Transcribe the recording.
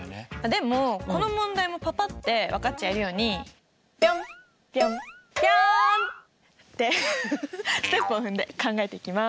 でもこの問題もパパって分かっちゃえるようにってステップを踏んで考えていきます。